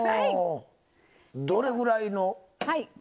どれぐらいの時間？